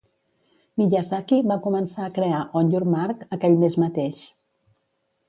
Miyazaki va començar a crear "On Your Mark" aquell mes mateix.